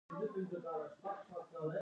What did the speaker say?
او تر سبا پورې.